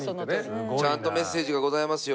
ちゃんとメッセージがございますよ。